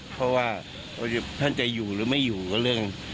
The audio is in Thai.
เพราะว่าท่านจะอยู่หรือไม่อยู่ก็เรื่อง